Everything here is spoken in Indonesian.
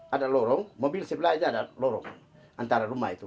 ada lorong mobil sebelahnya ada lorong antara rumah itu